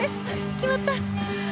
決まった！